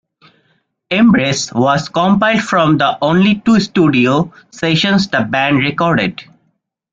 "Embrace" was compiled from the only two studio sessions the band recorded.